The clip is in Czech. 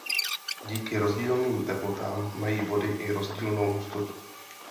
Díky rozdílným teplotám mají vody i rozdílnou hustotu.